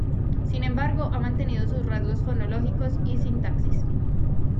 Sin embargo ha mantenido sus rasgos fonológicos y sintaxis.